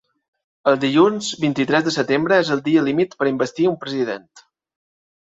El dilluns vint-i-tres de setembre és el dia límit per a investir un president.